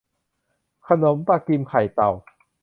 ขนมปลากิมไข่เต่า